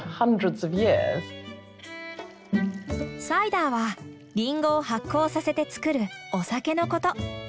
サイダーはリンゴを発酵させて作るお酒のこと。